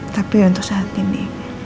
tapi untuk saat ini